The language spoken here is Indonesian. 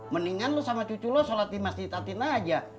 mendingan lu sama cucu lo sholat di masjid atin aja